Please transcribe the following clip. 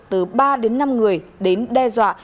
từ ba đến năm người đến đe dọa